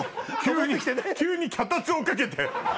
急に脚立を掛けて。